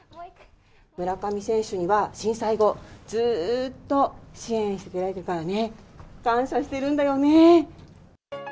村上選手には、震災後、ずーっと支援していただいてるからね、感謝してるんだよね。